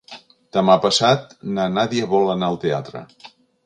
Demà passat na Nàdia vol anar al teatre.